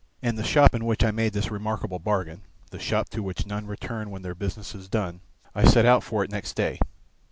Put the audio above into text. And the shop in which I made this remarkable bargain, the shop to which none return when their business is done: I set out for it next day.